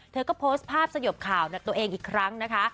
เธอก็โพสต์ภาพสยบข่าวตัวเองอีกครั้งนะคะ